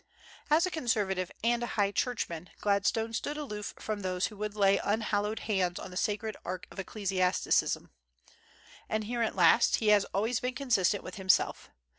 As a Conservative and a High Churchman, Gladstone stood aloof from those who would lay unhallowed hands on the sacred ark of ecclesiasticism. And here, at least, he has always been consistent with himself.